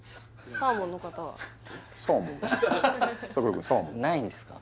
サーモンないんですか？